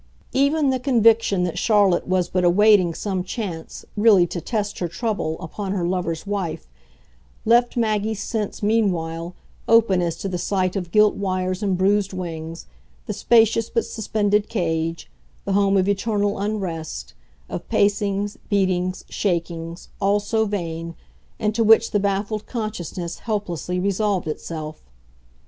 Even the conviction that Charlotte was but awaiting some chance really to test her trouble upon her lover's wife left Maggie's sense meanwhile open as to the sight of gilt wires and bruised wings, the spacious but suspended cage, the home of eternal unrest, of pacings, beatings, shakings, all so vain, into which the baffled consciousness helplessly resolved itself.